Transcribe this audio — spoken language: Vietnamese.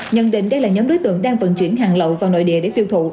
nhận định đây là nhóm đối tượng đang vận chuyển hàng lậu vào nội địa để tiêu thụ